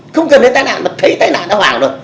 không cần thấy tai nạn mà thấy tai nạn nó hoàng rồi